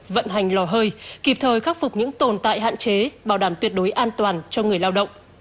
vận hành lò hơi kịp thời khắc phục những tồn tại hạn chế bảo đảm tuyệt đối an toàn cho người lao động